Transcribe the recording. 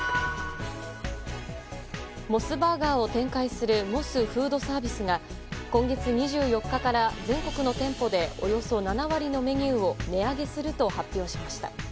モスバーガーを展開するモスフードサービスが今月２４日から全国の店舗でおよそ７割のメニューを値上げすると発表しました。